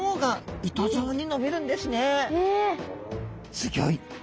すギョい。